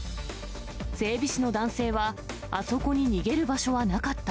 整備士の男性は、あそこに逃げる場所はなかった。